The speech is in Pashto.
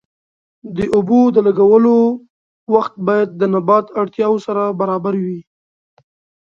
د اوبو د لګولو وخت باید د نبات اړتیاوو سره برابر وي.